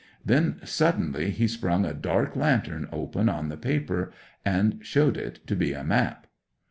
Then suddenly he sprung a dark lantern open on the paper, and showed it to be a map.